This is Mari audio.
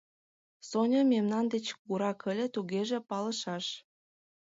Соня мемнан деч кугурак ыле, тугеже палышаш.